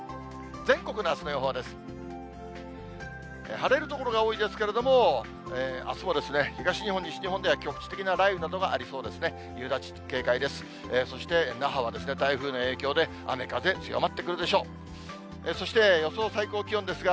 晴れる所が多いですけれども、あすも東日本、西日本では局地的な雷雨などがありそうですね。